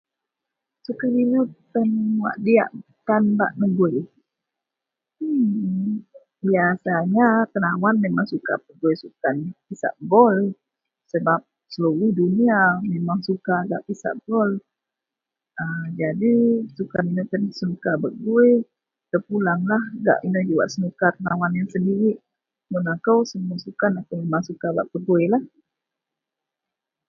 Sukan ino tan bak diyak tan bak negui ....mmmm... Biasanya tenawan memang suka pegui sukan pisak bol. Sebab seluroh dunia memang suka gak pisak bol. ...aaa... Jadi sukan iyen suka bak gui terpulanglah gak ino ji gak senuka tenawan sendirik . Mun akou semua sukan memang suka bak peguilah.